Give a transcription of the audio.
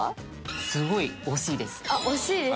すごい惜しいです。